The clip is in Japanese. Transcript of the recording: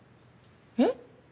えっ？